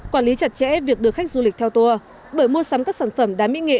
quản lý chặt chẽ việc đưa khách du lịch theo tour bởi mua sắm các sản phẩm đá mỹ nghệ